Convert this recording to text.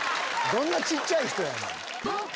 どんな小っちゃい人やねん。